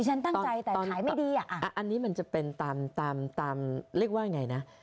เอาอย่างนี้นะคะอันนี้มันจะเป็นตามเรียกว่าไงนะ